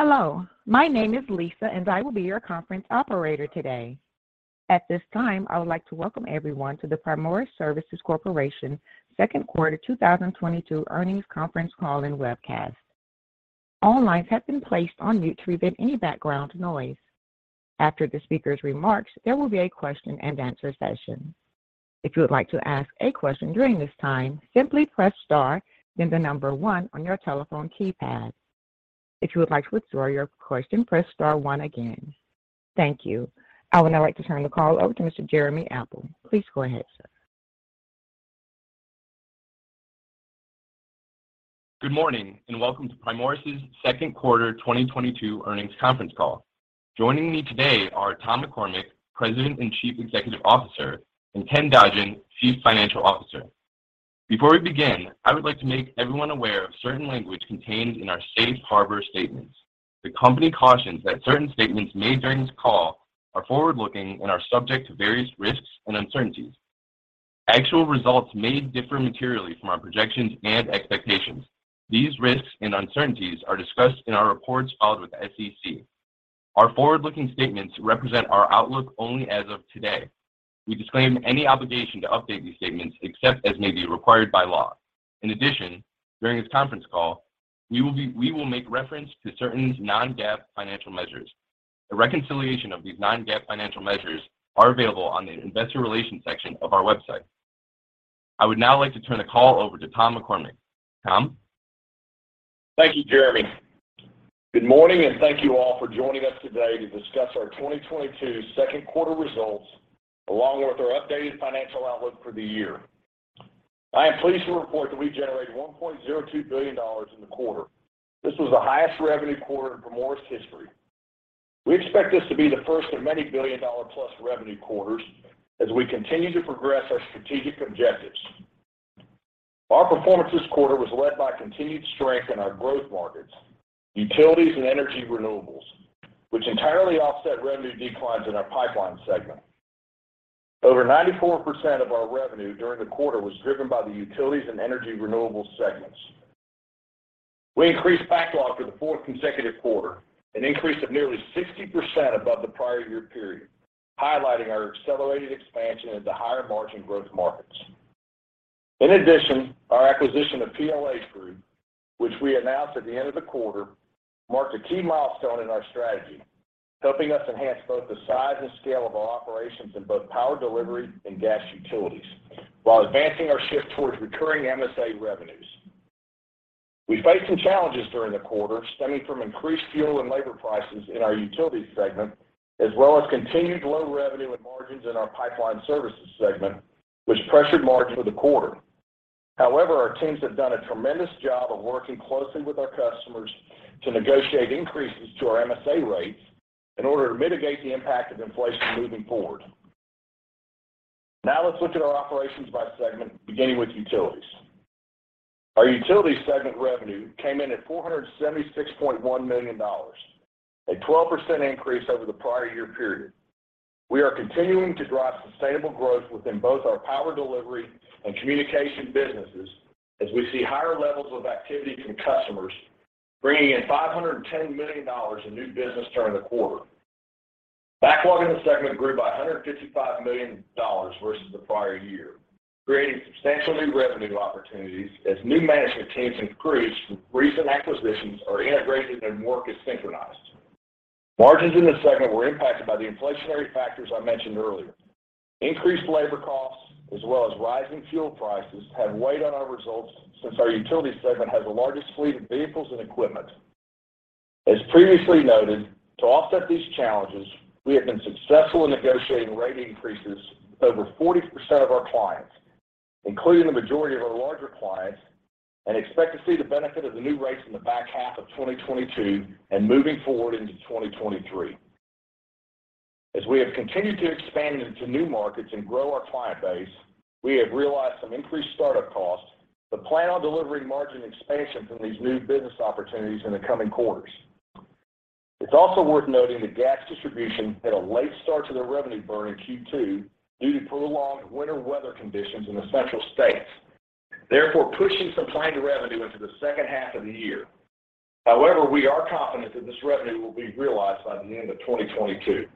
Hello. My name is Lisa, and I will be your conference operator today. At this time, I would like to welcome everyone to the Primoris Services Corporation second quarter 2022 earnings conference call and webcast. All lines have been placed on mute to prevent any background noise. After the speaker's remarks, there will be a question and answer session. If you would like to ask a question during this time, simply press star then the number one on your telephone keypad. If you would like to withdraw your question, press star one again. Thank you. I would now like to turn the call over to Mr. Jeremy Apple. Please go ahead, sir. Good morning and welcome to Primoris second quarter 2022 earnings conference call. Joining me today are Tom McCormick, President and Chief Executive Officer, and Ken Dodgen, Chief Financial Officer. Before we begin, I would like to make everyone aware of certain language contained in our safe harbor statements. The company cautions that certain statements made during this call are forward-looking and are subject to various risks and uncertainties. Actual results may differ materially from our projections and expectations. These risks and uncertainties are discussed in our reports filed with the SEC. Our forward-looking statements represent our outlook only as of today. We disclaim any obligation to update these statements except as may be required by law. In addition, during this conference call, we will make reference to certain non-GAAP financial measures. A reconciliation of these non-GAAP financial measures are available on the investor relations section of our website. I would now like to turn the call over to Tom McCormick. Tom? Thank you, Jeremy. Good morning and thank you all for joining us today to discuss our 2022 second quarter results along with our updated financial outlook for the year. I am pleased to report that we generated $1.02 billion in the quarter. This was the highest revenue quarter in Primoris history. We expect this to be the first of many billion-dollar-plus revenue quarters as we continue to progress our strategic objectives. Our performance this quarter was led by continued strength in our growth markets, utilities and energy renewables, which entirely offset revenue declines in our pipeline segment. Over 94% of our revenue during the quarter was driven by the utilities and energy renewables segments. We increased backlog for the fourth consecutive quarter, an increase of nearly 60% above the prior year period, highlighting our accelerated expansion into higher margin growth markets. In addition, our acquisition of PLH Group, which we announced at the end of the quarter, marked a key milestone in our strategy, helping us enhance both the size and scale of our operations in both power delivery and gas utilities while advancing our shift towards recurring MSA revenues. We faced some challenges during the quarter, stemming from increased fuel and labor prices in our utilities segment, as well as continued low revenue and margins in our pipeline services segment, which pressured margin for the quarter. However, our teams have done a tremendous job of working closely with our customers to negotiate increases to our MSA rates in order to mitigate the impact of inflation moving forward. Now let's look at our operations by segment, beginning with utilities. Our utilities segment revenue came in at $476.1 million, a 12% increase over the prior year period. We are continuing to drive sustainable growth within both our power delivery and communication businesses as we see higher levels of activity from customers bringing in $510 million in new business during the quarter. Backlog in the segment grew by $155 million versus the prior year, creating substantial new revenue opportunities as new management teams and crews from recent acquisitions are integrated and work is synchronized. Margins in this segment were impacted by the inflationary factors I mentioned earlier. Increased labor costs as well as rising fuel prices have weighed on our results since our utilities segment has the largest fleet of vehicles and equipment. As previously noted, to offset these challenges, we have been successful in negotiating rate increases with over 40% of our clients, including the majority of our larger clients, and expect to see the benefit of the new rates in the back half of 2022 and moving forward into 2023. As we have continued to expand into new markets and grow our client base, we have realized some increased startup costs, but plan on delivering margin expansion from these new business opportunities in the coming quarters. It's also worth noting that gas distribution had a late start to their revenue burn in Q2 due to prolonged winter weather conditions in the central states, therefore pushing some planned revenue into the second half of the year. However, we are confident that this revenue will be realized by the end of 2022.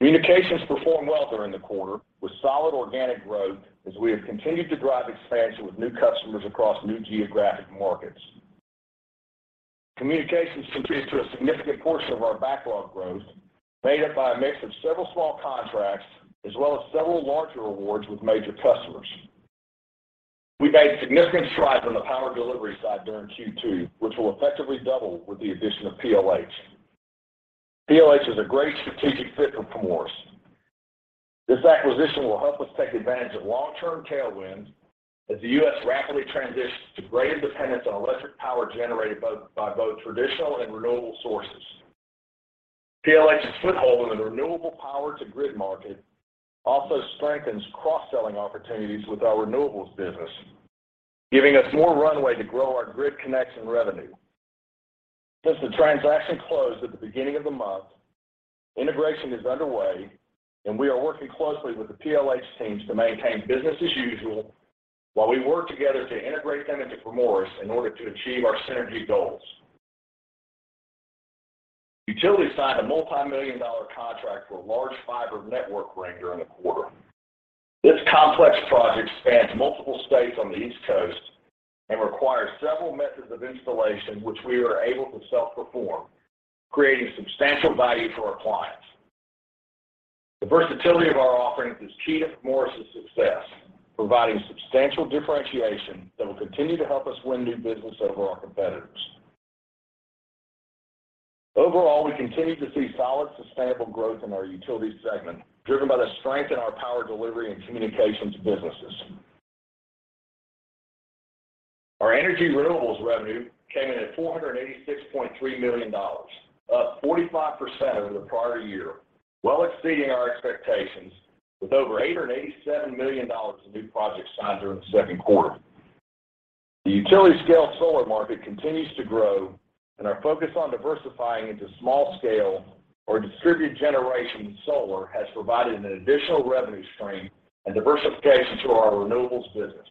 Communications performed well during the quarter with solid organic growth as we have continued to drive expansion with new customers across new geographic markets. Communications contributes to a significant portion of our backlog growth made up by a mix of several small contracts as well as several larger awards with major customers. We made significant strides on the power delivery side during Q2, which will effectively double with the addition of PLH. PLH is a great strategic fit for Primoris. This acquisition will help us take advantage of long-term tailwinds as the U.S. rapidly transitions to greater dependence on electric power generated by both traditional and renewable sources. PLH's foothold in the renewable power to grid market also strengthens cross-selling opportunities with our renewables business, giving us more runway to grow our grid connection revenue. Since the transaction closed at the beginning of the month. Integration is underway, and we are working closely with the PLH teams to maintain business as usual while we work together to integrate them into Primoris in order to achieve our synergy goals. Utilities signed a multimillion-dollar contract for a large fiber network ring during the quarter. This complex project spans multiple states on the East Coast and requires several methods of installation, which we are able to self-perform, creating substantial value for our clients. The versatility of our offerings is key to Primoris success, providing substantial differentiation that will continue to help us win new business over our competitors. Overall, we continue to see solid, sustainable growth in our utilities segment, driven by the strength in our power delivery and communications businesses. Our energy renewables revenue came in at $486.3 million, up 45% over the prior year, well exceeding our expectations with over $887 million in new projects signed during the second quarter. The utility scale solar market continues to grow, and our focus on diversifying into small scale or distributed generation solar has provided an additional revenue stream and diversification to our renewables business.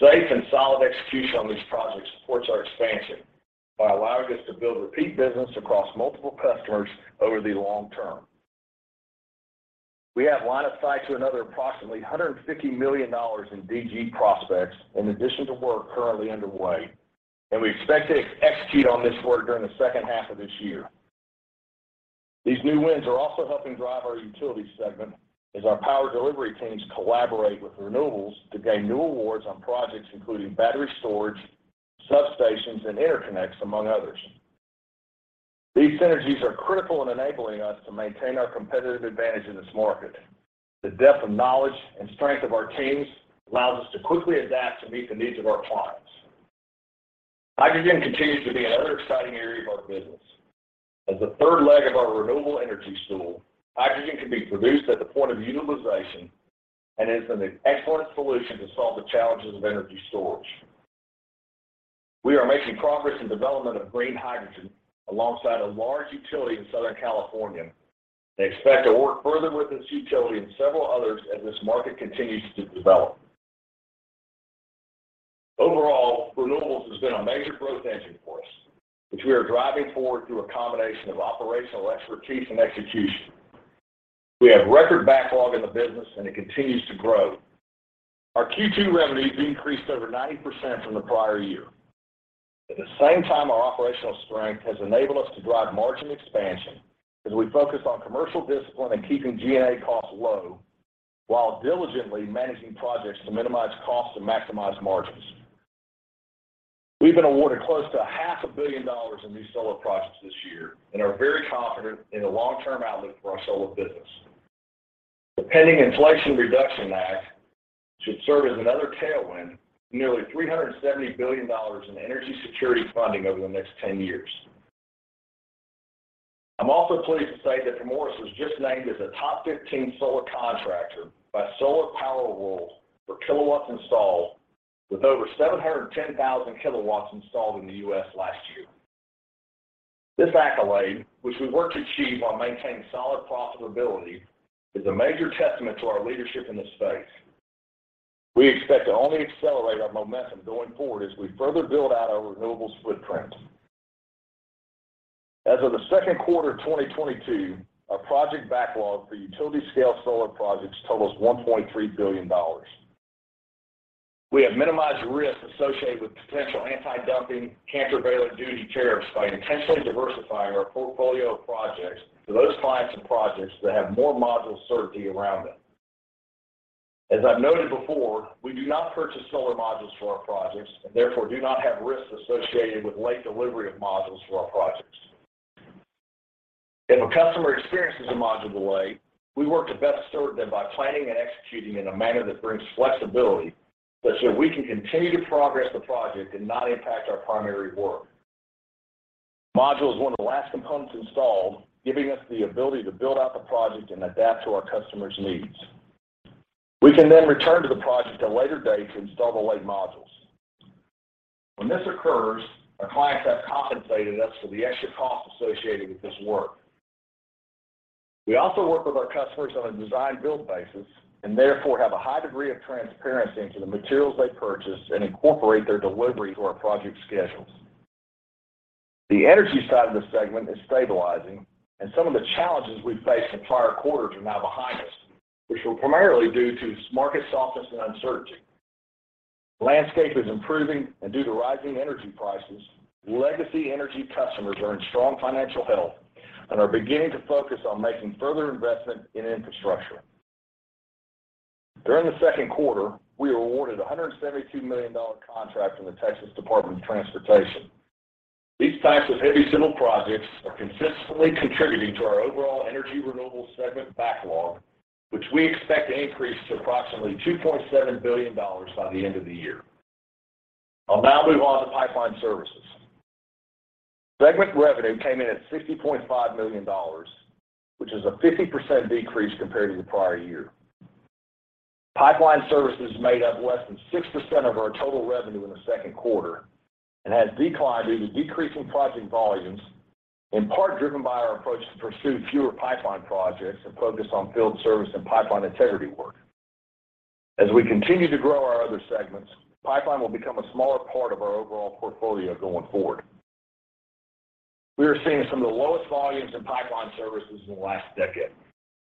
Safe and solid execution on these projects supports our expansion by allowing us to build repeat business across multiple customers over the long term. We have line of sight to another approximately $150 million in DG prospects in addition to work currently underway, and we expect to execute on this work during the second half of this year. These new wins are also helping drive our utility segment as our power delivery teams collaborate with renewables to gain new awards on projects, including battery storage, substations, and interconnects, among others. These synergies are critical in enabling us to maintain our competitive advantage in this market. The depth of knowledge and strength of our teams allows us to quickly adapt to meet the needs of our clients. Hydrogen continues to be another exciting area of our business. As the third leg of our renewable energy stool, hydrogen can be produced at the point of utilization and is an excellent solution to solve the challenges of energy storage. We are making progress in development of green hydrogen alongside a large utility in Southern California and expect to work further with this utility and several others as this market continues to develop. Overall, renewables has been a major growth engine for us, which we are driving forward through a combination of operational expertise and execution. We have record backlog in the business, and it continues to grow. Our Q2 revenues increased over 90% from the prior year. At the same time, our operational strength has enabled us to drive margin expansion as we focus on commercial discipline and keeping G&A costs low while diligently managing projects to minimize costs and maximize margins. We've been awarded close to half a billion dollars in new solar projects this year and are very confident in the long-term outlook for our solar business. The pending Inflation Reduction Act should serve as another tailwind, with nearly $370 billion in energy security funding over the next 10 years. I'm also pleased to say that Primoris was just named as a top 15 solar contractor by Solar Power World for kilowatts installed, with over 710,000 kilowatts installed in the U.S. last year. This accolade, which we worked to achieve while maintaining solid profitability, is a major testament to our leadership in this space. We expect to only accelerate our momentum going forward as we further build out our renewables footprint. As of the second quarter of 2022, our project backlog for utility scale solar projects totals $1.3 billion. We have minimized risk associated with potential anti-dumping, countervailing duty tariffs by intentionally diversifying our portfolio of projects to those clients and projects that have more module certainty around them. As I've noted before, we do not purchase solar modules for our projects and therefore do not have risks associated with late delivery of modules for our projects. When customer experiences a module delay, we work to best serve them by planning and executing in a manner that brings flexibility so that we can continue to progress the project and not impact our primary work. Module is one of the last components installed, giving us the ability to build out the project and adapt to our customers' needs. We can then return to the project at a later date to install the late modules. When this occurs, our clients have compensated us for the extra cost associated with this work. We also work with our customers on a design build basis and therefore have a high degree of transparency into the materials they purchase and incorporate their delivery to our project schedules. The energy side of this segment is stabilizing, and some of the challenges we faced in prior quarters are now behind us, which were primarily due to market softness and uncertainty. Landscape is improving and due to rising energy prices, legacy energy customers are in strong financial health and are beginning to focus on making further investment in infrastructure. During the second quarter, we were awarded a $172 million contract from the Texas Department of Transportation. These types of heavy civil projects are consistently contributing to our overall energy renewables segment backlog, which we expect to increase to approximately $2.7 billion by the end of the year. I'll now move on to pipeline services. Segment revenue came in at $60.5 million, which is a 50% decrease compared to the prior year. Pipeline services made up less than 6% of our total revenue in the second quarter and has declined due to decreasing project volumes, in part driven by our approach to pursue fewer pipeline projects and focus on field service and pipeline integrity work. As we continue to grow our other segments, pipeline will become a smaller part of our overall portfolio going forward. We are seeing some of the lowest volumes in pipeline services in the last decade,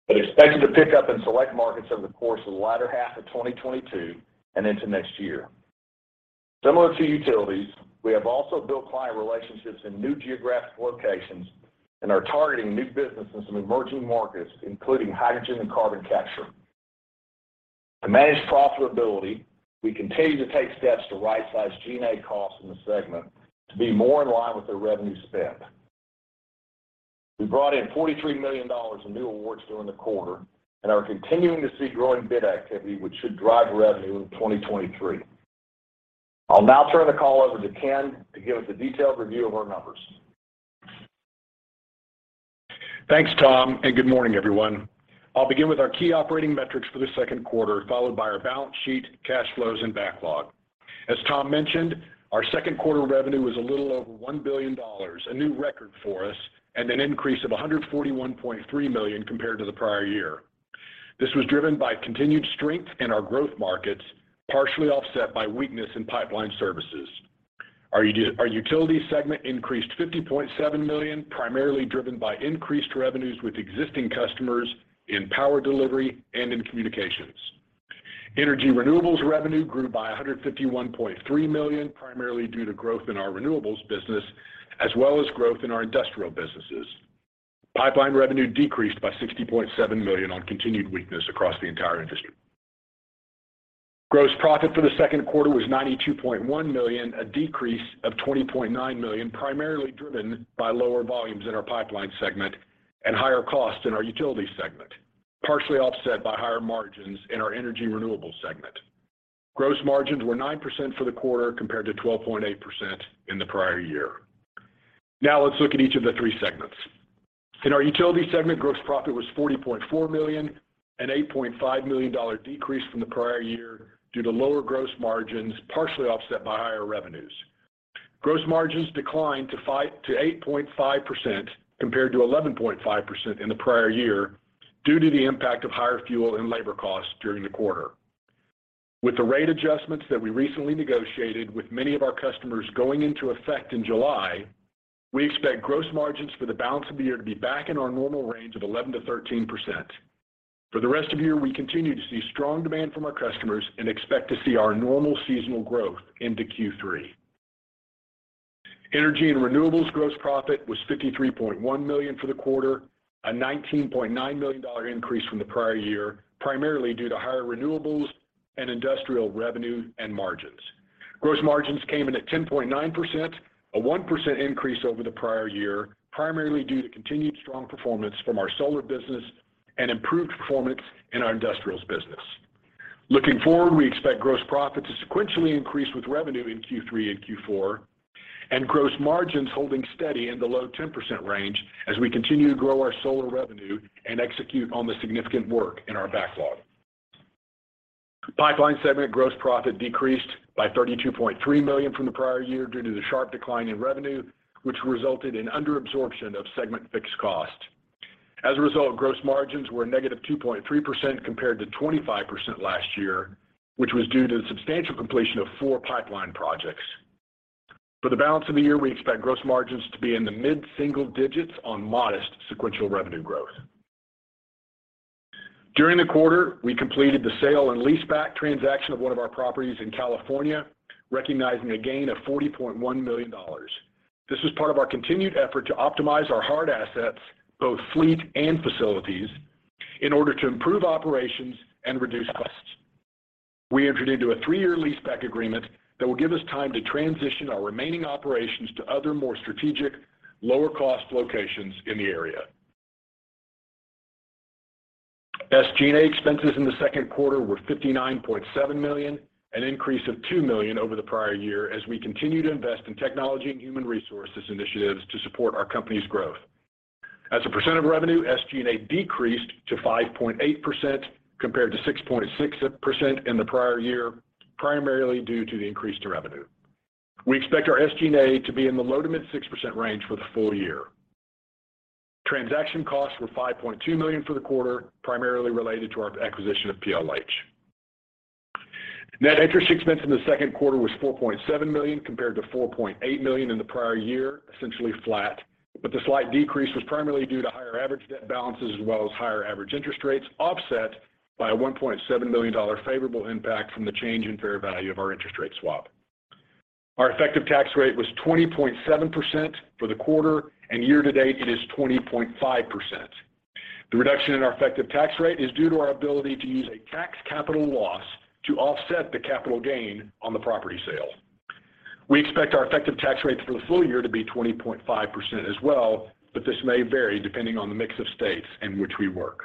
but expected to pick up in select markets over the course of the latter half of 2022 and into next year. Similar to utilities, we have also built client relationships in new geographic locations and are targeting new businesses in emerging markets, including hydrogen and carbon capture. To manage profitability, we continue to take steps to right-size G&A costs in the segment to be more in line with the revenue spend. We brought in $43 million in new awards during the quarter and are continuing to see growing bid activity, which should drive revenue in 2023. I'll now turn the call over to Ken to give us a detailed review of our numbers. Thanks, Tom, and good morning, everyone. I'll begin with our key operating metrics for the second quarter, followed by our balance sheet, cash flows, and backlog. As Tom mentioned, our second quarter revenue was a little over $1 billion, a new record for us, and an increase of $141.3 million compared to the prior year. This was driven by continued strength in our growth markets, partially offset by weakness in pipeline services. Our utility segment increased $50.7 million, primarily driven by increased revenues with existing customers in power delivery and in communications. Energy renewables revenue grew by $151.3 million, primarily due to growth in our renewables business as well as growth in our industrial businesses. Pipeline revenue decreased by $60.7 million on continued weakness across the entire industry. Gross profit for the second quarter was $92.1 million, a decrease of $20.9 million, primarily driven by lower volumes in our pipeline segment and higher costs in our utility segment, partially offset by higher margins in our energy renewables segment. Gross margins were 9% for the quarter compared to 12.8% in the prior year. Now let's look at each of the three segments. In our utility segment, gross profit was $40.4 million, an $8.5 million decrease from the prior year due to lower gross margins, partially offset by higher revenues. Gross margins declined to 8.5% compared to 11.5% in the prior year due to the impact of higher fuel and labor costs during the quarter. With the rate adjustments that we recently negotiated with many of our customers going into effect in July, we expect gross margins for the balance of the year to be back in our normal range of 11%-13%. For the rest of the year, we continue to see strong demand from our customers and expect to see our normal seasonal growth into Q3. Energy and renewables gross profit was $53.1 million for the quarter, a $19.9 million increase from the prior year, primarily due to higher renewables and industrial revenue and margins. Gross margins came in at 10.9%, a 1% increase over the prior year, primarily due to continued strong performance from our solar business and improved performance in our industrials business. Looking forward, we expect gross profit to sequentially increase with revenue in Q3 and Q4, and gross margins holding steady in the low 10% range as we continue to grow our solar revenue and execute on the significant work in our backlog. Pipeline segment gross profit decreased by $32.3 million from the prior year due to the sharp decline in revenue, which resulted in under absorption of segment fixed cost. As a result, gross margins were -2.3% compared to 25% last year, which was due to the substantial completion of four pipeline projects. For the balance of the year, we expect gross margins to be in the mid-single digits% on modest sequential revenue growth. During the quarter, we completed the sale and leaseback transaction of one of our properties in California, recognizing a gain of $40.1 million. This was part of our continued effort to optimize our hard assets, both fleet and facilities, in order to improve operations and reduce costs. We entered into a 3-year leaseback agreement that will give us time to transition our remaining operations to other more strategic, lower-cost locations in the area. SG&A expenses in the second quarter were $59.7 million, an increase of $2 million over the prior year as we continue to invest in technology and human resources initiatives to support our company's growth. As a percent of revenue, SG&A decreased to 5.8% compared to 6.6% in the prior year, primarily due to the increase in revenue. We expect our SG&A to be in the low- to mid-6% range for the full year. Transaction costs were $5.2 million for the quarter, primarily related to our acquisition of PLH. Net interest expense in the second quarter was $4.7 million compared to $4.8 million in the prior year, essentially flat. The slight decrease was primarily due to higher average debt balances as well as higher average interest rates, offset by a $1.7 million favorable impact from the change in fair value of our interest rate swap. Our effective tax rate was 20.7% for the quarter, and year to date it is 20.5%. The reduction in our effective tax rate is due to our ability to use a tax capital loss to offset the capital gain on the property sale. We expect our effective tax rate for the full year to be 20.5% as well, but this may vary depending on the mix of states in which we work.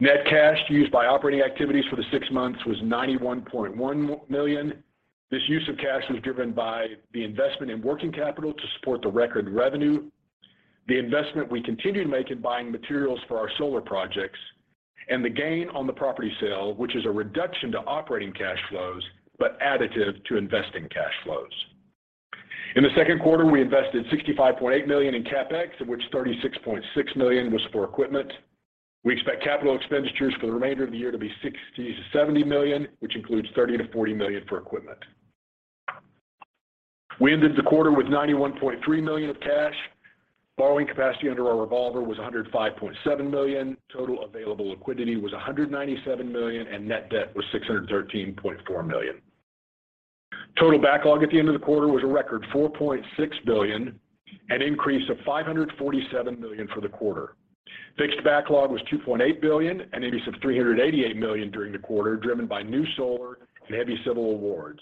Net cash used by operating activities for the six months was $91.1 million. This use of cash was driven by the investment in working capital to support the record revenue. The investment we continue to make in buying materials for our solar projects and the gain on the property sale, which is a reduction to operating cash flows, but additive to investing cash flows. In the second quarter, we invested $65.8 million in CapEx, of which $36.6 million was for equipment. We expect capital expenditures for the remainder of the year to be $60-$70 million, which includes $30-$40 million for equipment. We ended the quarter with $91.3 million of cash. Borrowing capacity under our revolver was $105.7 million. Total available liquidity was $197 million, and net debt was $613.4 million. Total backlog at the end of the quarter was a record $4.6 billion, an increase of $547 million for the quarter. Fixed backlog was $2.8 billion, an increase of $388 million during the quarter, driven by new solar and heavy civil awards.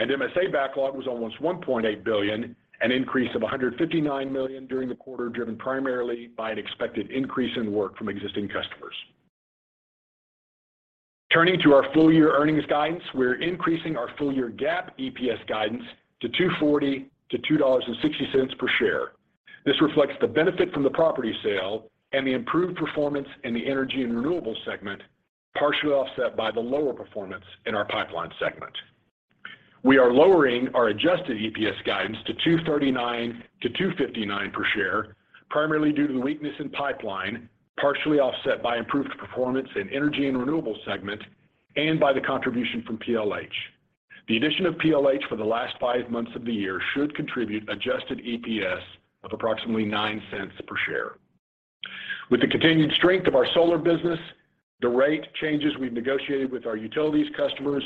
MSA backlog was almost $1.8 billion, an increase of $159 million during the quarter, driven primarily by an expected increase in work from existing customers. Turning to our full-year earnings guidance, we're increasing our full-year GAAP EPS guidance to $2.40-$2.60 per share. This reflects the benefit from the property sale and the improved performance in the energy and renewables segment, partially offset by the lower performance in our pipeline segment. We are lowering our adjusted EPS guidance to $2.39-$2.59 per share, primarily due to the weakness in pipeline, partially offset by improved performance in energy and renewables segment and by the contribution from PLH. The addition of PLH for the last 5 months of the year should contribute adjusted EPS of approximately $0.09 per share. With the continued strength of our solar business, the rate changes we've negotiated with our utilities customers,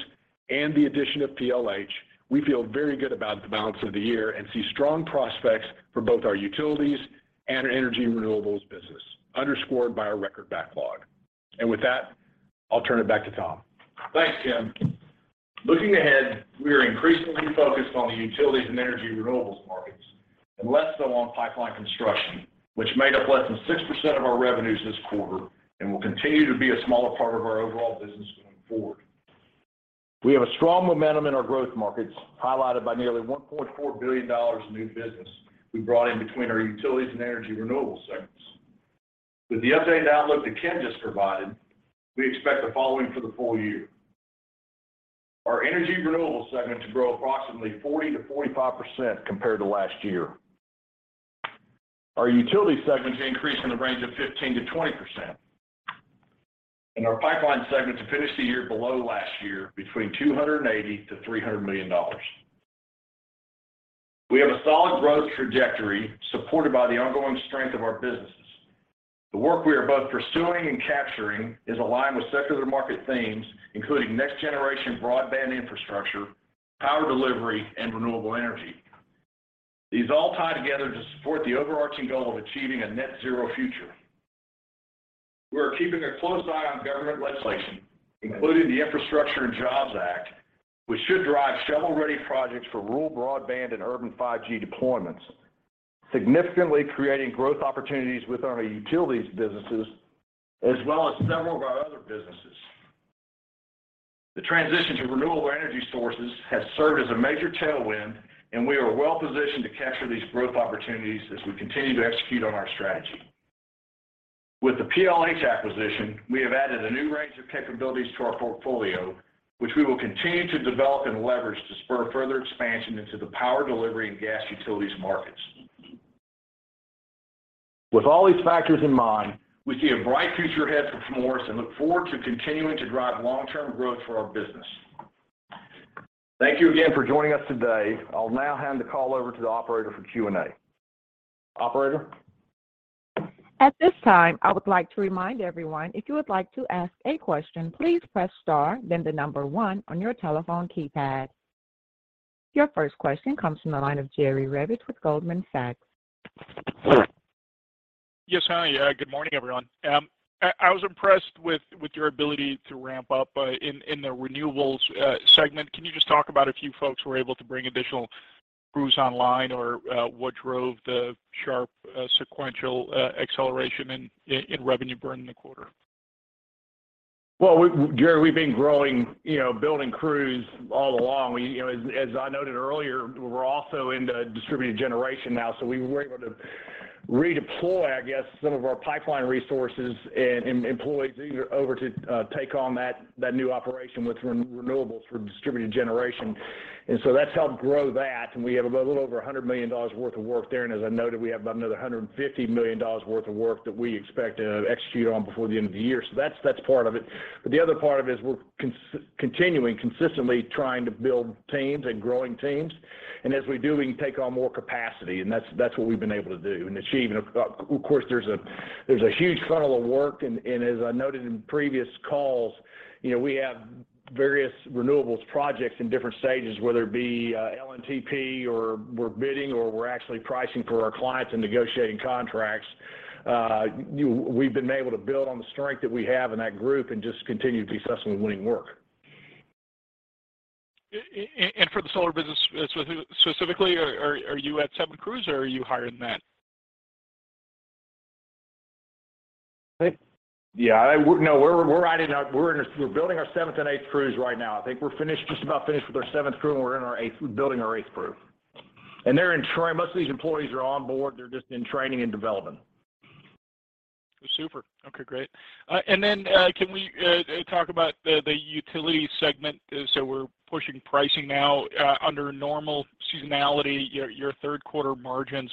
and the addition of PLH, we feel very good about the balance of the year and see strong prospects for both our utilities and our energy and renewables business, underscored by our record backlog. With that, I'll turn it back to Tom. Thanks, Ken. Looking ahead, we are increasingly focused on the utilities and energy renewables markets and less so on pipeline construction, which made up less than 6% of our revenues this quarter and will continue to be a smaller part of our overall business going forward. We have a strong momentum in our growth markets, highlighted by nearly $1.4 billion in new business we brought in between our utilities and energy renewables segments. With the updated outlook that Ken just provided, we expect the following for the full year. Our energy renewables segment to grow approximately 40%-45% compared to last year. Our utilities segment to increase in the range of 15%-20%. Our pipeline segment to finish the year below last year between $280 million-$300 million. We have a solid growth trajectory supported by the ongoing strength of our businesses. The work we are both pursuing and capturing is aligned with secular market themes, including next-generation broadband infrastructure, power delivery, and renewable energy. These all tie together to support the overarching goal of achieving a net zero future. We are keeping a close eye on government legislation, including the Infrastructure and Jobs Act, which should drive several ready projects for rural broadband and urban 5G deployments, significantly creating growth opportunities within our utilities businesses as well as several of our other businesses. The transition to renewable energy sources has served as a major tailwind, and we are well-positioned to capture these growth opportunities as we continue to execute on our strategy. With the PLH acquisition, we have added a new range of capabilities to our portfolio, which we will continue to develop and leverage to spur further expansion into the power delivery and gas utilities markets. With all these factors in mind, we see a bright future ahead for Primoris and look forward to continuing to drive long-term growth for our business. Thank you again for joining us today. I'll now hand the call over to the operator for Q&A. Operator? At this time, I would like to remind everyone, if you would like to ask a question, please press star, then the number one on your telephone keypad. Your first question comes from the line of Jerry Revich with Goldman Sachs. Yes. Hi. Good morning, everyone. I was impressed with your ability to ramp up in the renewables segment. Can you just talk about a few folks who were able to bring additional crews online or what drove the sharp sequential acceleration in revenue during the quarter? Well, Jerry, we've been growing, you know, building crews all along. You know, as I noted earlier, we're also into distributed generation now, so we were able to redeploy, I guess, some of our pipeline resources and employees over to take on that new operation with renewables for distributed generation. That's helped grow that, and we have a little over $100 million worth of work there. As I noted, we have about another $150 million worth of work that we expect to execute on before the end of the year. That's part of it. The other part of it is we're continuing consistently trying to build teams and growing teams. As we do, we can take on more capacity, and that's what we've been able to do and achieve. Of course, there's a huge funnel of work and as I noted in previous calls, you know, we have various renewables projects in different stages, whether it be LNTP or we're bidding or we're actually pricing for our clients and negotiating contracts. We've been able to build on the strength that we have in that group and just continue to be successful in winning work. For the solar business specifically, are you at 7 crews or are you higher than that? We're riding out. We're building our seventh and eighth crews right now. I think we're finished, just about finished with our seventh crew, and we're building our eighth crew. They're in training. Most of these employees are on board, they're just in training and development. Super. Okay, great. Can we talk about the utility segment? We're pushing pricing now. Under normal seasonality, your third quarter margins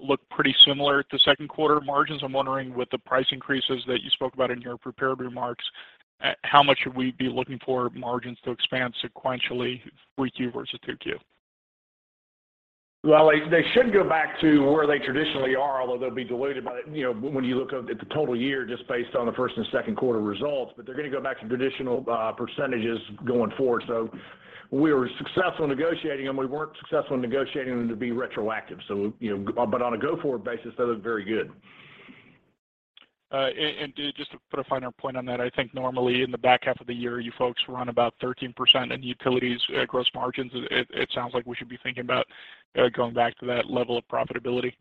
look pretty similar to second quarter margins. I'm wondering, with the price increases that you spoke about in your prepared remarks, how much should we be looking for margins to expand sequentially 3Q versus 2Q? Well, they should go back to where they traditionally are, although they'll be diluted by, you know, when you look up at the total year just based on the first and second quarter results. They're gonna go back to traditional percentages going forward. We were successful in negotiating them. We weren't successful in negotiating them to be retroactive. You know, but on a go-forward basis, they look very good. Just to put a finer point on that, I think normally in the back half of the year, you folks run about 13% in utilities gross margins. It sounds like we should be thinking about going back to that level of profitability.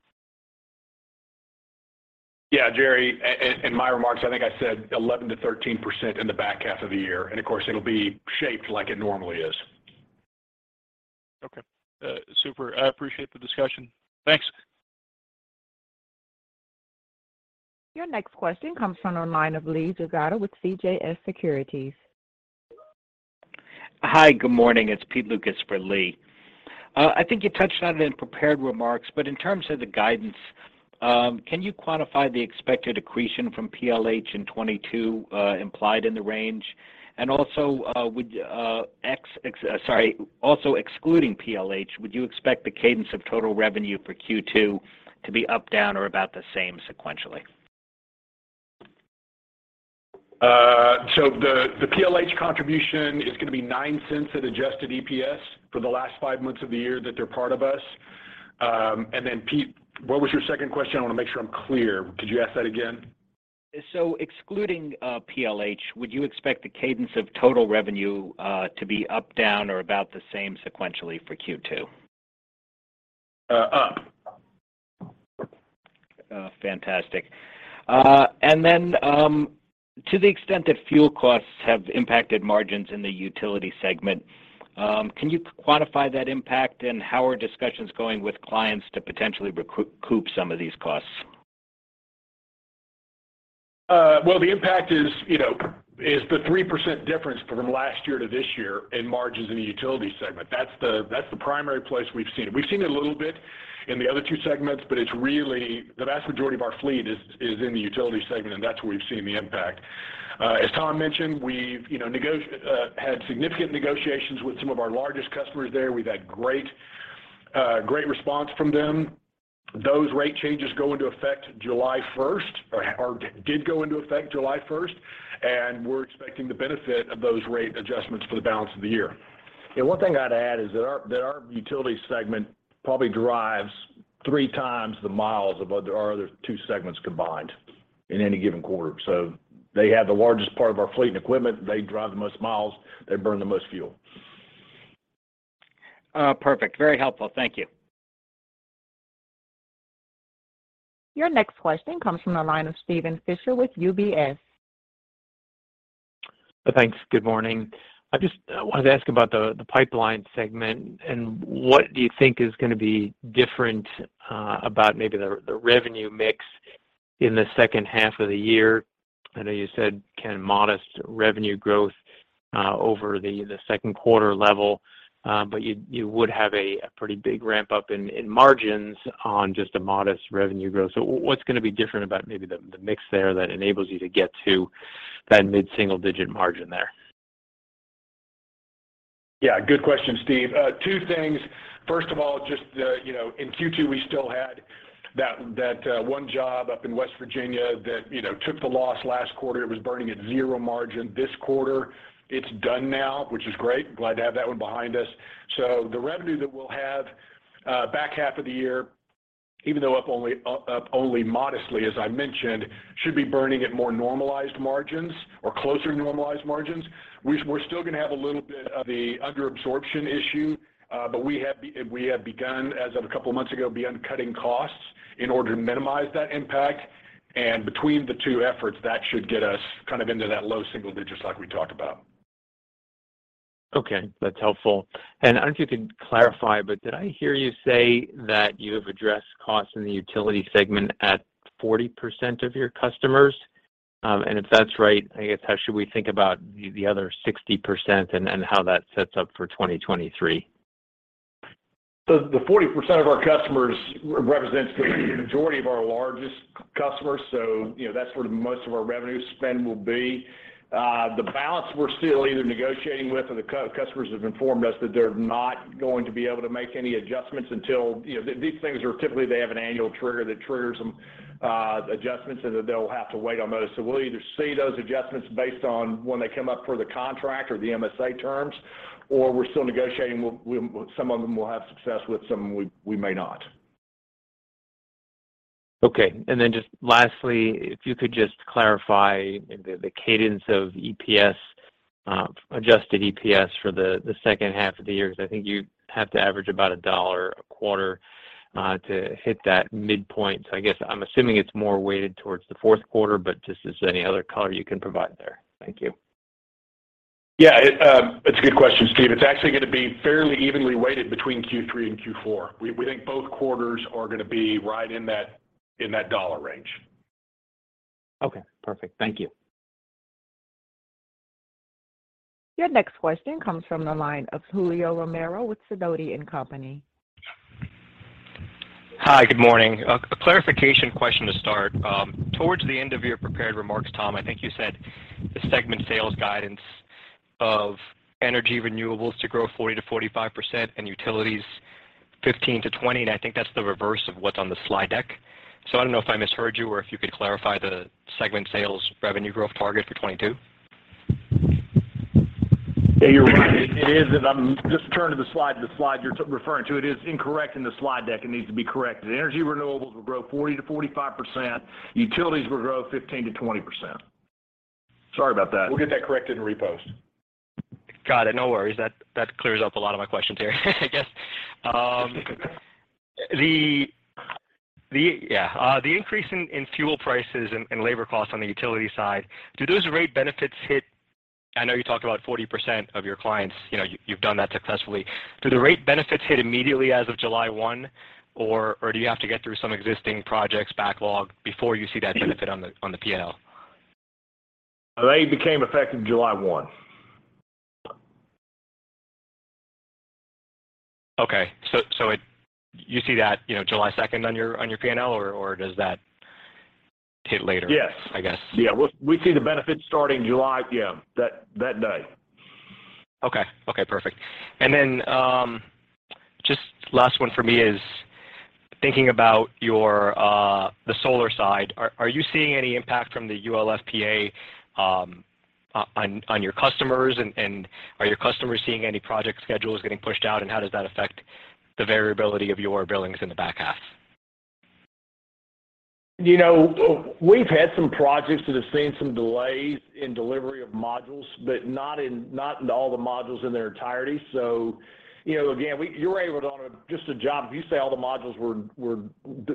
Yeah, Jerry, in my remarks, I think I said 11%-13% in the back half of the year. Of course, it'll be shaped like it normally is. Okay. Super. I appreciate the discussion. Thanks. Your next question comes from the line of Lee Jagoda with CJS Securities. Hi, good morning. It's Peter Lucas for Lee. I think you touched on it in prepared remarks, but in terms of the guidance, can you quantify the expected accretion from PLH in 2022, implied in the range? Excluding PLH, would you expect the cadence of total revenue for Q2 to be up, down, or about the same sequentially? The PLH contribution is gonna be $0.09 at adjusted EPS for the last five months of the year that they're part of us. Pete, what was your second question? I want to make sure I'm clear. Could you ask that again? Excluding PLH, would you expect the cadence of total revenue to be up, down, or about the same sequentially for Q2? Up. Fantastic. To the extent that fuel costs have impacted margins in the utility segment, can you quantify that impact? How are discussions going with clients to potentially recoup some of these costs? Well, the impact is, you know, the 3% difference from last year to this year in margins in the utility segment. That's the primary place we've seen it. We've seen it a little bit in the other two segments, but it's really the vast majority of our fleet is in the utility segment, and that's where we've seen the impact. As Tom mentioned, we've, you know, had significant negotiations with some of our largest customers there. We've had great response from them. Those rate changes go into effect July first or did go into effect July first, and we're expecting the benefit of those rate adjustments for the balance of the year. One thing I'd add is that our utility segment probably drives 3 times the miles of our other two segments combined in any given quarter. They have the largest part of our fleet and equipment. They drive the most miles. They burn the most fuel. Perfect. Very helpful. Thank you. Your next question comes from the line of Steven Fisher with UBS. Thanks. Good morning. I just wanted to ask about the pipeline segment and what do you think is gonna be different about maybe the revenue mix in the second half of the year? I know you said kind of modest revenue growth over the second quarter level, but you would have a pretty big ramp-up in margins on just a modest revenue growth. What's gonna be different about maybe the mix there that enables you to get to that mid-single digit margin there? Yeah, good question, Steve. Two things. First of all, just, you know, in Q2, we still had that one job up in West Virginia that, you know, took the loss last quarter. It was burning at 0 margin. This quarter, it's done now, which is great. Glad to have that one behind us. The revenue that we'll have, back half of the year, even though up only modestly, as I mentioned, should be burning at more normalized margins or closer normalized margins. We're still gonna have a little bit of the under absorption issue, but we have begun, as of a couple months ago, cutting costs in order to minimize that impact. Between the two efforts, that should get us kind of into that low single digits like we talked about. Okay, that's helpful. I don't know if you can clarify, but did I hear you say that you have addressed costs in the utility segment at 40% of your customers? If that's right, I guess, how should we think about the other 60% and how that sets up for 2023? The 40% of our customers represents the majority of our largest customers, so, you know, that's where most of our revenue spend will be. The balance we're still either negotiating with or the customers have informed us that they're not going to be able to make any adjustments until you know, these things are typically they have an annual trigger that triggers some adjustments, and that they'll have to wait on those. We'll either see those adjustments based on when they come up for the contract or the MSA terms, or we're still negotiating. We'll some of them we'll have success with, some we may not. Okay. Just lastly, if you could just clarify the cadence of adjusted EPS for the second half of the year. Because I think you have to average about $1 a quarter to hit that midpoint. I guess I'm assuming it's more weighted towards the fourth quarter, but just if there's any other color you can provide there. Thank you. Yeah. It's a good question, Steven. It's actually gonna be fairly evenly weighted between Q3 and Q4. We think both quarters are gonna be right in that dollar range. Okay. Perfect. Thank you. Your next question comes from the line of Julio Romero with Sidoti & Company. Hi. Good morning. A clarification question to start. Towards the end of your prepared remarks, Tom, I think you said the segment sales guidance of energy renewables to grow 40%-45% and utilities 15%-20%, and I think that's the reverse of what's on the slide deck. I don't know if I misheard you, or if you could clarify the segment sales revenue growth target for 2022. Yeah, you're right. It is, and I'm just turning to the slide. The slide you're referring to, it is incorrect in the slide deck. It needs to be corrected. Energy renewables will grow 40%-45%. Utilities will grow 15%-20%.Sorry about that. We'll get that corrected and repost. Got it. No worries. That clears up a lot of my questions here, I guess. The increase in fuel prices and labor costs on the utility side, do those rate benefits hit? I know you talked about 40% of your clients, you know, you've done that successfully. Do the rate benefits hit immediately as of July 1, or do you have to get through some existing projects backlog before you see that benefit on the P&L? They became effective July 1. Okay. You see that, you know, July second on your P&L, or does that hit later? Yes I guess? Yeah. We see the benefits starting July, yeah, that day. Okay. Perfect. Just last one for me is thinking about your the solar side. Are you seeing any impact from the UFLPA on your customers, and are your customers seeing any project schedules getting pushed out, and how does that affect the variability of your billings in the back half? You know, we've had some projects that have seen some delays in delivery of modules, but not in all the modules in their entirety. You know, again, on a just a job, if you say all the modules were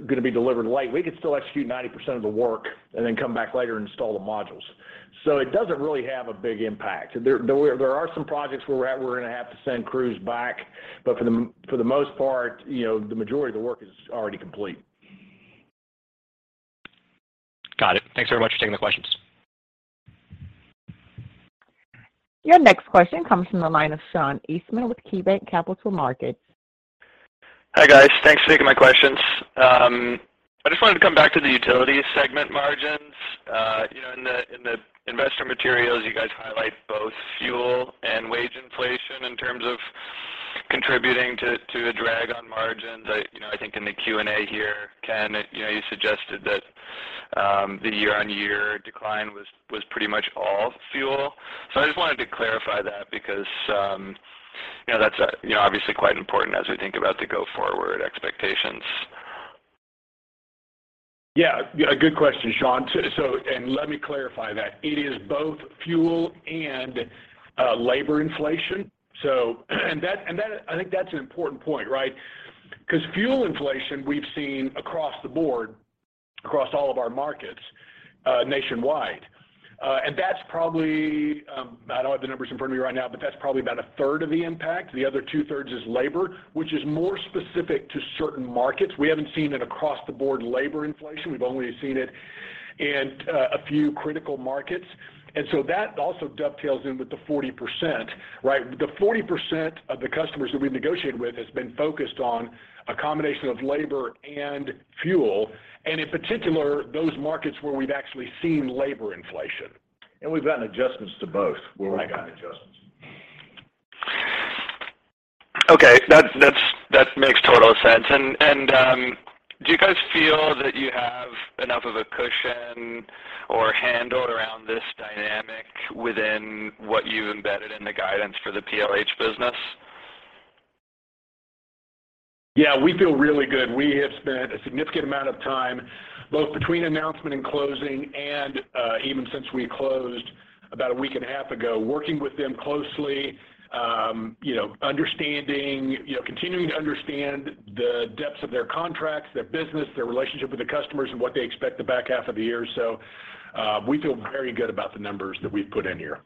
gonna be delivered late, we could still execute 90% of the work and then come back later and install the modules. It doesn't really have a big impact. There are some projects where we're gonna have to send crews back, but for the most part, you know, the majority of the work is already complete. Got it. Thanks very much for taking the questions. Your next question comes from the line of Sean Eastman with KeyBanc Capital Markets. Hi, guys. Thanks for taking my questions. I just wanted to come back to the utility segment margins. You know, in the investor materials, you guys highlight both fuel and wage inflation in terms of contributing to a drag on margins. You know, I think in the Q&A here, Ken, you know, you suggested that the year-on-year decline was pretty much all fuel. I just wanted to clarify that because you know, that's you know, obviously quite important as we think about the go forward expectations. Yeah. Yeah, a good question, Sean. Let me clarify that. It is both fuel and labor inflation. That I think that's an important point, right? Because fuel inflation we've seen across the board, across all of our markets, nationwide. That's probably. I don't have the numbers in front of me right now, but that's probably about a third of the impact. The other two-thirds is labor, which is more specific to certain markets. We haven't seen an across-the-board labor inflation. We've only seen it in a few critical markets. That also dovetails in with the 40%, right? The 40% of the customers that we negotiated with has been focused on a combination of labor and fuel, and in particular, those markets where we've actually seen labor inflation. We've gotten adjustments to both. Right. Where we've gotten adjustments. Okay. That makes total sense. Do you guys feel that you have enough of a cushion or handle around this dynamic within what you've embedded in the guidance for the PLH business? Yeah. We feel really good. We have spent a significant amount of time, both between announcement and closing and even since we closed about a week and a half ago, working with them closely, you know, understanding, you know, continuing to understand the depths of their contracts, their business, their relationship with the customers, and what they expect the back half of the year. We feel very good about the numbers that we've put in here.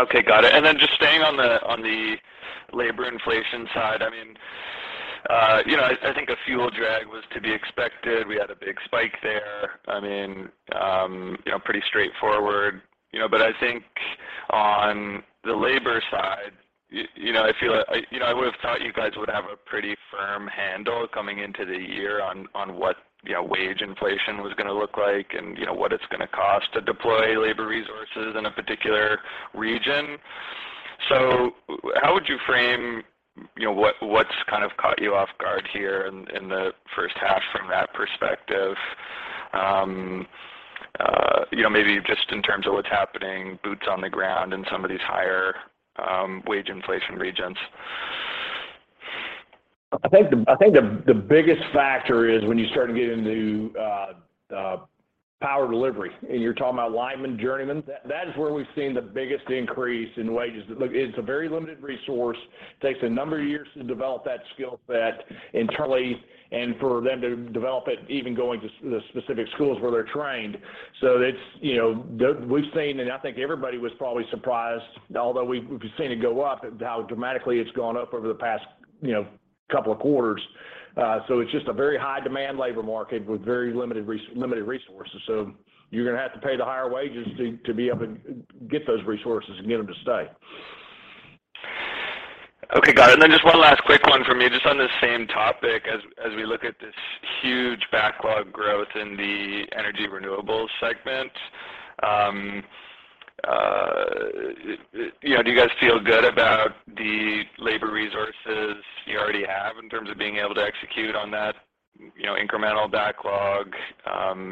Okay. Got it. Just staying on the labor inflation side, I mean, you know, I think a fuel drag was to be expected. We had a big spike there. I mean, you know, pretty straightforward, you know. I think on the labor side, you know, I feel like you know, I would have thought you guys would have a pretty firm handle coming into the year on what, you know, wage inflation was gonna look like and, you know, what it's gonna cost to deploy labor resources in a particular region. How would you frame, you know, what's kind of caught you off guard here in the first half from that perspective, you know, maybe just in terms of what's happening boots on the ground in some of these higher wage inflation regions? I think the biggest factor is when you start to get into power delivery and you're talking about lineman, journeyman, that is where we've seen the biggest increase in wages. Look, it's a very limited resource, takes a number of years to develop that skill set internally and for them to develop it, even going to specific schools where they're trained. So it's, you know, we've seen, and I think everybody was probably surprised, although we've seen it go up, how dramatically it's gone up over the past, you know, couple of quarters. So it's just a very high demand labor market with very limited resources. So you're going to have to pay the higher wages to be able to get those resources and get them to stay. Okay. Got it. Just one last quick one for me, just on this same topic. As we look at this huge backlog growth in the energy renewables segment, you know, do you guys feel good about the labor resources you already have in terms of being able to execute on that, you know, incremental backlog?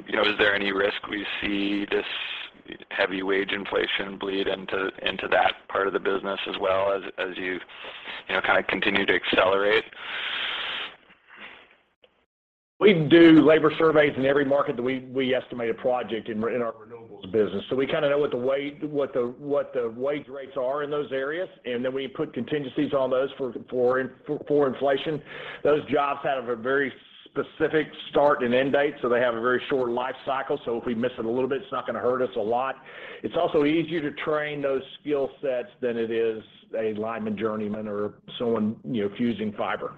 You know, is there any risk we see this heavy wage inflation bleed into that part of the business as well as you know, kind of continue to accelerate? We do labor surveys in every market that we estimate a project in our renewables business. We kind of know what the wage rates are in those areas, and then we put contingencies on those for inflation. Those jobs have a very specific start and end date, so they have a very short life cycle. If we miss it a little bit, it's not going to hurt us a lot. It's also easier to train those skill sets than it is a lineman, journeyman or someone, you know, fusing fiber.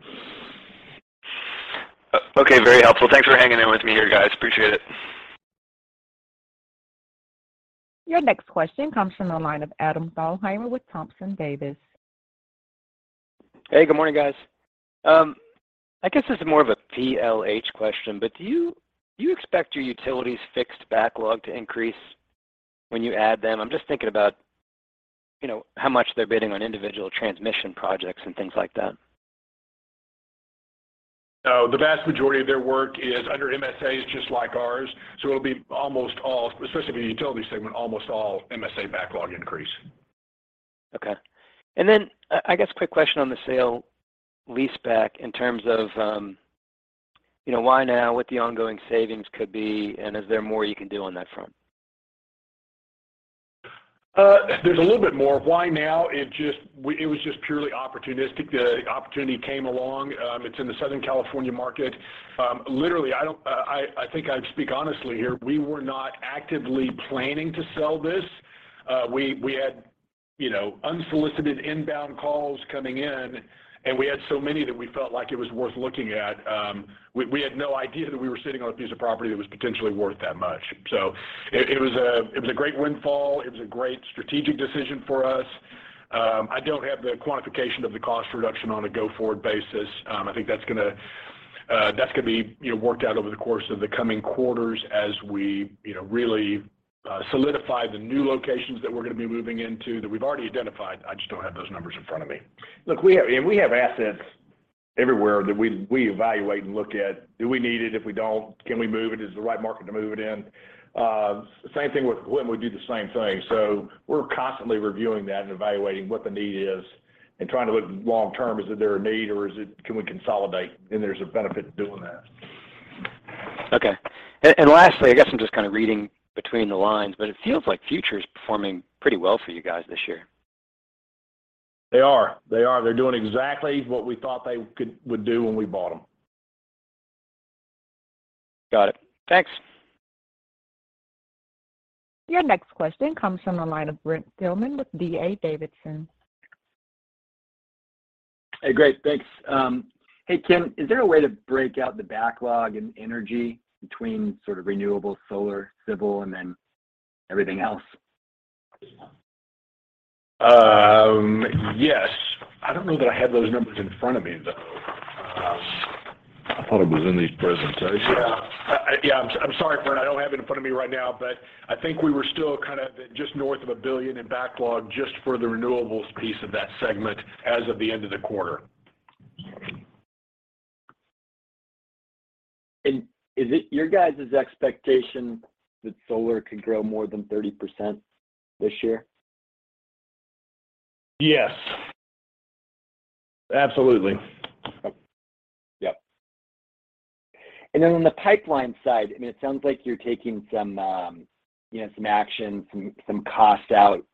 Okay. Very helpful. Thanks for hanging in with me here, guys. Appreciate it. Your next question comes from the line of Adam Thalhimer with Thompson Davis. Hey, good morning, guys. I guess this is more of a PLH question, but do you expect your utilities fixed backlog to increase when you add them? I'm just thinking about, you know, how much they're bidding on individual transmission projects and things like that. No, the vast majority of their work is under MSAs, just like ours. It'll be almost all, especially the utility segment, almost all MSA backlog increase. Okay. I guess quick question on the sale-leaseback in terms of, you know, why now, what the ongoing savings could be, and is there more you can do on that front? There's a little bit more why now. It was just purely opportunistic. The opportunity came along. It's in the Southern California market. Literally, I think I'd speak honestly here. We were not actively planning to sell this. We had, you know, unsolicited inbound calls coming in, and we had so many that we felt like it was worth looking at. We had no idea that we were sitting on a piece of property that was potentially worth that much. It was a great windfall. It was a great strategic decision for us. I don't have the quantification of the cost reduction on a go-forward basis. I think that's gonna be, you know, worked out over the course of the coming quarters as we, you know, really solidify the new locations that we're gonna be moving into that we've already identified. I just don't have those numbers in front of me. Look, we have assets everywhere that we evaluate and look at. Do we need it? If we don't, can we move it? Is it the right market to move it in? Same thing when we do the same thing. We're constantly reviewing that and evaluating what the need is and trying to look long term. Is there a need or can we consolidate? There's a benefit to doing that. Okay. Lastly, I guess I'm just kind of reading between the lines, but it feels like Future is performing pretty well for you guys this year. They are. They're doing exactly what we thought they would do when we bought them. Got it. Thanks. Your next question comes from the line of Brent Thielman with D.A. Davidson. Hey, great. Thanks. Hey, Ken Dodgen, is there a way to break out the backlog in energy between sort of renewable, solar, civil, and then everything else? Yes. I don't know that I have those numbers in front of me, though. I thought it was in these presentations. Yeah. Yeah, I'm sorry, Brent. I don't have it in front of me right now, but I think we were still kind of just north of $1 billion in backlog just for the renewables piece of that segment as of the end of the quarter. Is it your guys' expectation that solar could grow more than 30% this year? Yes. Absolutely. Yep. On the pipeline side, I mean, it sounds like you're taking some, you know, some action, some cost out.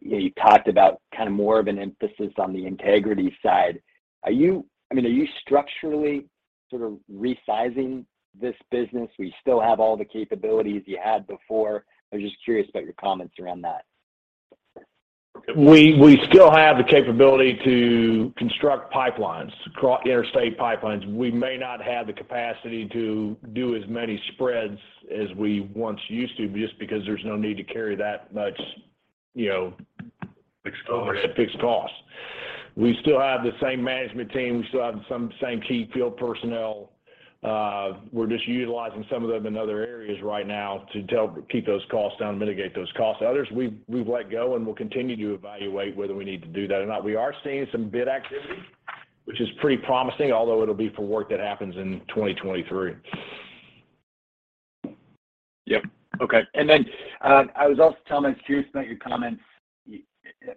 You know, you talked about kind of more of an emphasis on the integrity side. I mean, are you structurally sort of resizing this business? Will you still have all the capabilities you had before? I'm just curious about your comments around that. We still have the capability to construct pipelines, cross-country interstate pipelines. We may not have the capacity to do as many spreads as we once used to, just because there's no need to carry that much, you know. Fixed cost. Fixed cost. We still have the same management team. We still have some same key field personnel. We're just utilizing some of them in other areas right now to keep those costs down, mitigate those costs. Others, we've let go, and we'll continue to evaluate whether we need to do that or not. We are seeing some bid activity, which is pretty promising, although it'll be for work that happens in 2023. Yep. Okay. Then, I was also, Tom, I was curious about your comments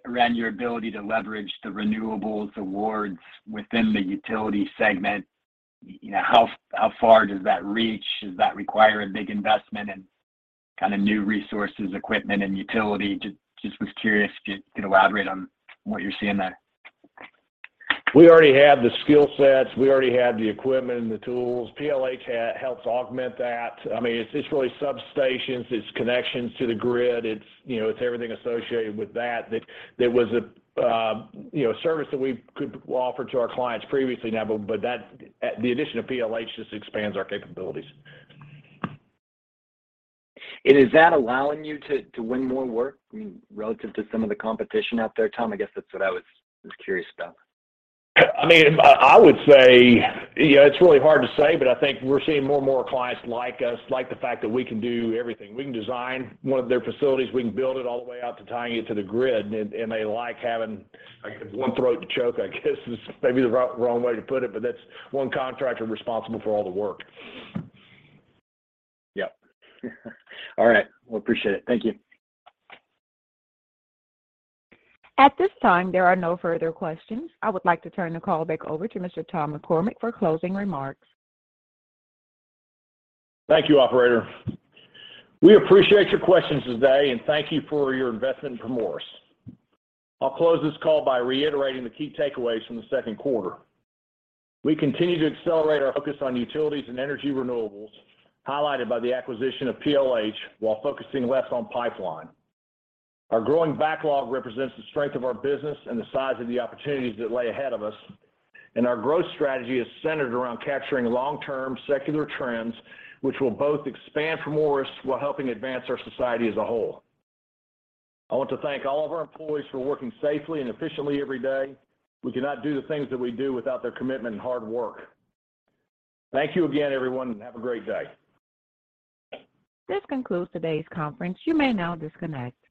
around your ability to leverage the renewables awards within the utility segment. You know, how far does that reach? Does that require a big investment and kind of new resources, equipment, and utility? Just was curious if you could elaborate on what you're seeing there. We already have the skill sets. We already have the equipment and the tools. PLH helps augment that. I mean, it's really substations, it's connections to the grid. It's, you know, everything associated with that that was, you know, a service that we could offer to our clients previously now, but that's the addition of PLH just expands our capabilities. Is that allowing you to win more work relative to some of the competition out there, Tom? I guess that's what I was curious about. I mean, I would say, you know, it's really hard to say, but I think we're seeing more and more clients like us, like the fact that we can do everything. We can design one of their facilities, we can build it all the way out to tying it to the grid, and they like having one throat to choke, I guess, is maybe the wrong way to put it, but that's one contractor responsible for all the work. Yep. All right. Well, appreciate it. Thank you. At this time, there are no further questions. I would like to turn the call back over to Mr. Tom McCormick for closing remarks. Thank you, operator. We appreciate your questions today, and thank you for your investment in Primoris. I'll close this call by reiterating the key takeaways from the second quarter. We continue to accelerate our focus on utilities and energy renewables, highlighted by the acquisition of PLH while focusing less on pipeline. Our growing backlog represents the strength of our business and the size of the opportunities that lay ahead of us. Our growth strategy is centered around capturing long-term secular trends, which will both expand Primoris while helping advance our society as a whole. I want to thank all of our employees for working safely and efficiently every day. We cannot do the things that we do without their commitment and hard work. Thank you again, everyone, and have a great day. This concludes today's conference. You may now disconnect.